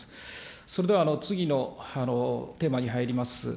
それでは次のテーマに入ります。